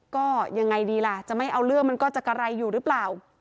ก็ยังไงดีล่ะจะไม่เอาเรื่องมันก็จะกระไรอยู่หรือเปล่า